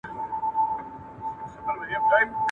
ساقيه! خير دي نن به زهٔ پهٔ لپـــــو لپو وڅـښم